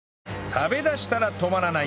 食べ出したら止まらない！